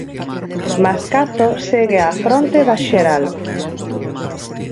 Mascato segue á fronte da xeral.